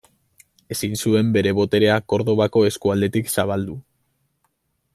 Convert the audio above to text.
Ezin zuen bere boterea Kordobako eskualdetik zabaldu.